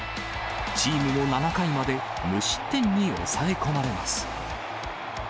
チームも７回まで無失点に抑え込まれます。